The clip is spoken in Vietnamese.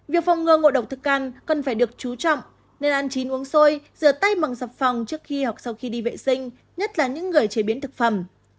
việc phòng ngừa ngộ độc thực ăn cần phải được chú trọng nên ăn chín uống xôi rửa tay bằng sập phòng trước khi hoặc sau khi đi vệ sinh nhất là những người chế biến thực phẩm